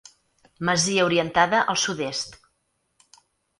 Masia orientada al sud-est.